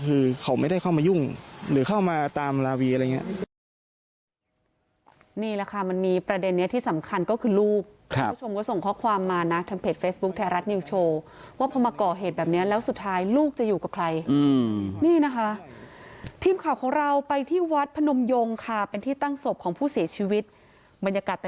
คือเขาไม่ได้เข้ามายุ่งหรือเข้ามาตามลาวีอะไรอย่างนี้